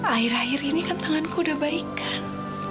akhir akhir ini kan tanganku udah baikan